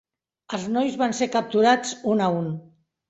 Els nois van ser capturats un a un.